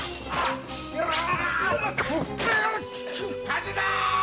・火事だー！